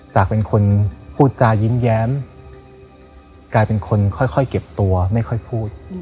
จากเป็นคนพูดจายิ้มแย้มกลายเป็นคนค่อยเก็บตัวไม่ค่อยพูด